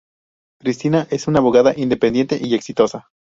Cristina es una abogada independiente y exitosa.